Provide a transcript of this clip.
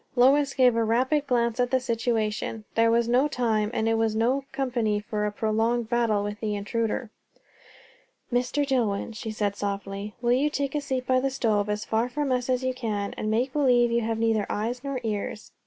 Lois gave a rapid glance at the situation. There was no time, and it was no company for a prolonged battle with the intruder. "Mr. Dillwyn," she said softly, "will you take a seat by the stove, as far from us as you can; and make believe you have neither eyes nor ears?